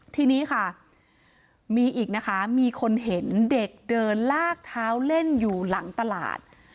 ทีนี้ค่ะมีอีกนะคะมีคนเห็นเด็กเดินลากเท้าเล่นอยู่หลังตลาด